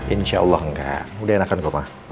insya allah enggak udah enakan kok ma